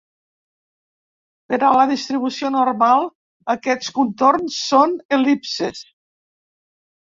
Per a la distribució normal, aquests contorns són el·lipses.